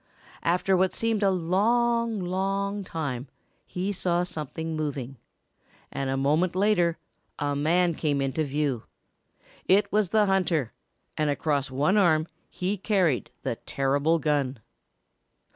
After what seemed a long, long time he saw something moving, and a moment later a man came into view. It was the hunter and across one arm he carried the terrible gun.